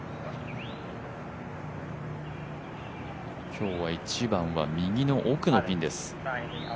今日は１番は右の奥のピンです。